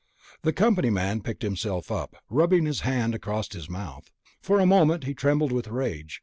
The company man picked himself up, rubbing his hand across his mouth. For a moment he trembled with rage.